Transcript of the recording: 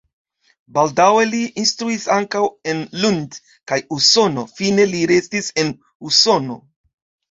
Baldaŭe li instruis ankaŭ en Lund kaj Usono, fine li restis en Usono.